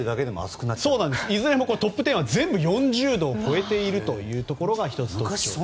いずれもトップ１０は全部４０度を超えているところで１つ、特徴です。